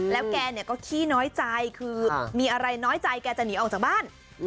แล้วแกก็ขี้น้อยใจคือมีอะไรน้อยใจแกจะหนีออกจากบ้าน